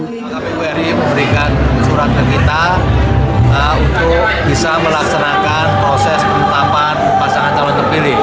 kpu ri memberikan surat ke kita untuk bisa melaksanakan proses penetapan pasangan calon terpilih